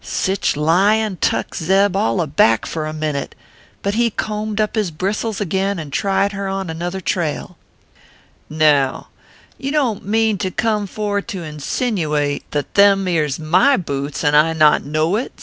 " Sich lyin tuk Zeb all aback for a minute ; but he combed up his bristles again, and tried her on another trail. " Now, you don t mean to come for to insinuate 232 ORPHEUS C. KERR PAPERS. that them ere s my butes, and I not know it